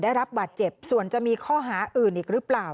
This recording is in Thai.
ได้รับบาดเจ็บส่วนจะมีข้อหาอื่นอีกหรือเปล่า